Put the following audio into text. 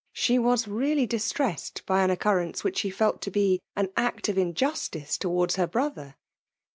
She was really distressed by an occurrence which she felt to be an act of injustice towards her brother.